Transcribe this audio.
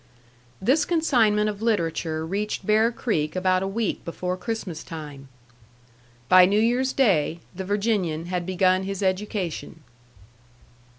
This consignment of literature reached Bear Creek about a week before Christmas time. By New Year's Day, the Virginian had begun his education.